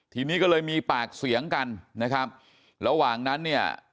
ทีนี้ก็เลยมีปากเสียงกันนะครับระหว่างนั้นเนี่ย